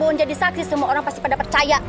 kalau bun jadi saksi semua orang pasti pada percaya